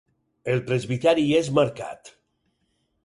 El presbiteri és marcat.